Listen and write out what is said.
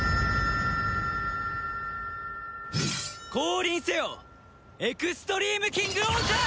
降臨せよエクストリームキングオージャー！